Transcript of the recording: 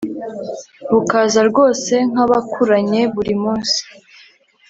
bukaza rwose nk'abakuranye buri munsi